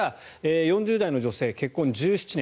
４０代の女性、結婚１７年